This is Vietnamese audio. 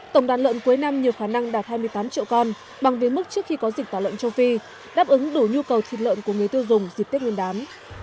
tổng đàn lợn cuối năm nhiều khả năng đạt hai mươi tám triệu con bằng biến mức trước khi có dịch tả lợn châu phi đáp ứng đủ nhu cầu thịt lợn của người tiêu dùng dịp tết nguyên đán